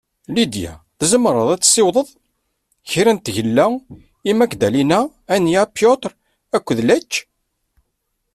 Lidia, tezemreḍ ad tessewweḍ kra n tgella i Magdalena, Ania, Piotr akked Lech?